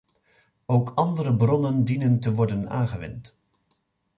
Ook andere bronnen dienen te worden aangewend.